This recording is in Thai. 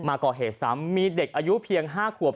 มาก่อเหตุซ้ำมีเด็กอายุเพียง๕ขวบ